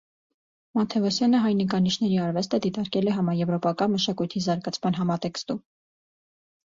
Մաթևոսյանը հայ նկարիչների արվեստը դիտարկել է համաեվրոպական մշակույթի զարգացման համատեքստում։